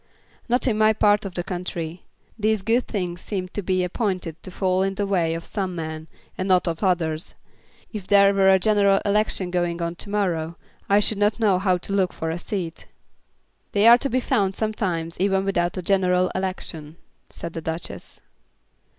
"Not in my part of the country. These good things seem to be appointed to fall in the way of some men, and not of others. If there were a general election going on to morrow, I should not know how to look for a seat." "They are to be found sometimes even without a general election," said the Duchess.